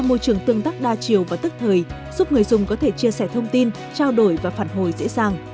môi trường tương tác đa chiều và tức thời giúp người dùng có thể chia sẻ thông tin trao đổi và phản hồi dễ dàng